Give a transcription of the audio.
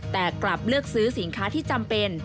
แต่กลับเลือกซื้อสินค้าที่จำเป็น